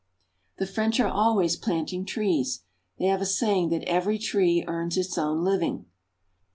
The French are always planting trees ; they have a say ing that every tree earns its own living.